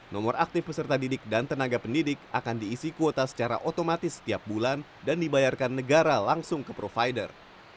nomor aktif peserta didik dan tenaga pendidik akan diisi kuota secara otomatis setiap bulan dan dibayarkan negara langsung ke provider